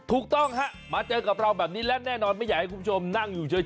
ถูกต้องฮะมาเจอกับเราแบบนี้และแน่นอนไม่อยากให้คุณผู้ชมนั่งอยู่เฉย